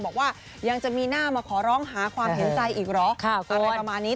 บอกว่ายังจะมีหน้ามาขอร้องหาความเห็นใจอีกเหรออะไรประมาณนี้